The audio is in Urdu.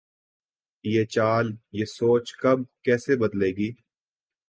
یہ چال، یہ سوچ کب‘ کیسے بدلے گی؟